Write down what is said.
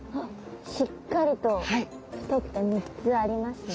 しっかりと太くて３つありますね。